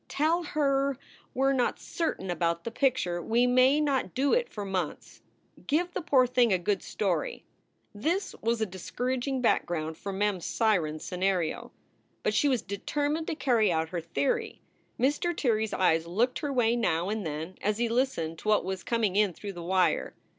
Tell her, we re not certain about the picture; we may not do it for months. Give the poor thing a good story." This was a discouraging background for Mem s siren scenario. But she was determined to carry out her theory. Mr. Tirrey s eyes looked her way now and then as he listened to what was coming in through the wire.